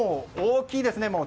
大きいですね！